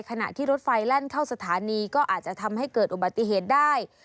ขณะที่รถไฟแล่นเข้าสถานีก็อาจจะทำให้เกิดอุบัติเหตุได้